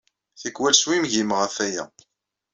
Tikkal, swingimeɣ ɣef waya.